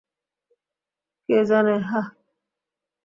কে জানে, হাহ?